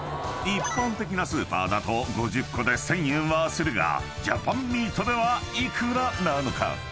［一般的なスーパーだと５０個で１，０００円はするがジャパンミートでは幾らなのか？］